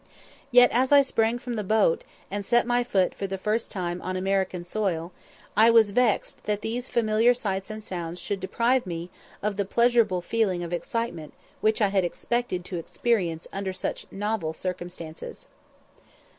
Yet, as I sprang from the boat, and set my foot for the first time on American soil, I was vexed that these familiar sights and sounds should deprive me of the pleasurable feeling of excitement which I had expected to experience under such novel circumstances.